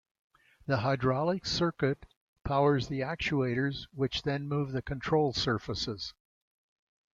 The hydraulic circuit powers the actuators which then move the control surfaces.